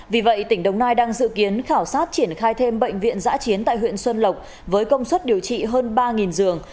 vì vậy tỉnh đồng nai đang dự kiến khảo sát triển khai thêm bệnh viện giã chiến tại huyện xuân lộc với công suất điều trị hơn ba giường